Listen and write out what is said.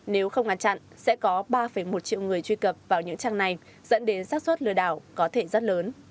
nếu không ngăn chặn sẽ có ba một triệu người truy cập vào những trang này dẫn đến sát xuất lừa đảo có thể rất lớn